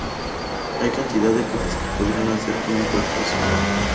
Hay cantidad de cosas que podrían hacer con un cuerpo así".